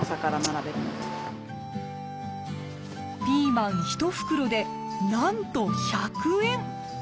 ピーマン１袋でなんと１００円！